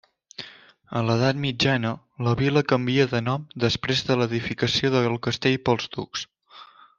A l'edat mitjana, la vila canvia de nom després de l'edificació del castell pels ducs.